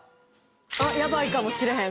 あっやばいかもしれへん。